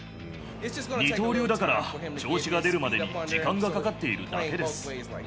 二刀流だから、調子が出るまでに時間がかかっているだけです。